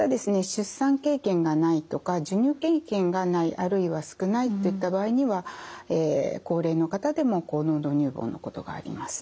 出産経験がないとか授乳経験がないあるいは少ないといった場合には高齢の方でも高濃度乳房のことがあります。